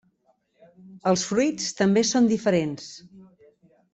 Els fruits també són diferents.